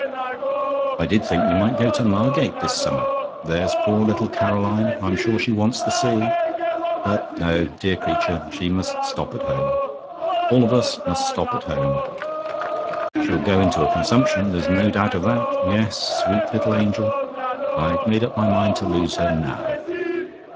"I did think we might go to Margate this summer. There's poor little Caroline, I'm sure she wants the sea. But no, dear creature! she must stop at home all of us must stop at home she'll go into a consumption, there's no doubt of that; yes sweet little angel! I've made up my mind to lose her, NOW.